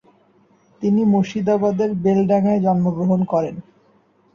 তিনি মুর্শিদাবাদের বেলডাঙায় জন্মগ্রহণ করেন।